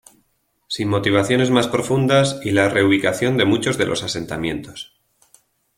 Sin motivaciones más profundas y la reubicación de muchos de los asentamientos.